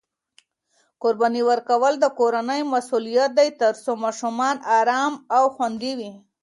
قرباني ورکول د کورنۍ مسؤلیت دی ترڅو ماشومان ارام او خوندي وي.